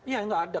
ya tidak ada